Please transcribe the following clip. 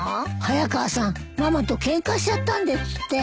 早川さんママとケンカしちゃったんですって。